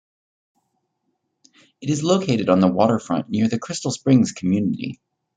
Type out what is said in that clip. It is located on the waterfront near the Crystal Springs community.